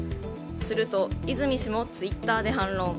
すると、泉氏もツイッターで反論。